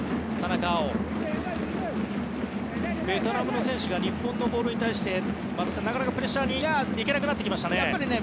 ベトナムの選手が日本のボールに対してなかなかプレッシャーにいけなくなってきましたね。